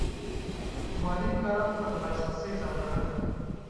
مادي امکاناتو ته د لاسرسۍ ځانګړنه.